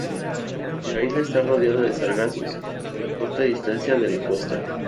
La isla está rodeada de sargazos a corta distancia de la costa.